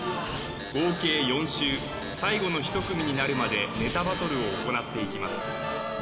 合計４周最後の１組になるまでネタバトルを行っていきます